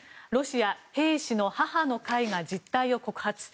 ロシア兵士の母の会が実態を告発。